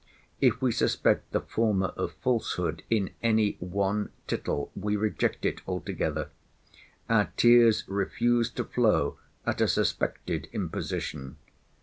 If we suspect the former of falsehood in any one tittle, we reject it altogether. Our tears refuse to flow at a suspected imposition.